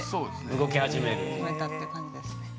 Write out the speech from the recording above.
動き始める？始めたって感じですね。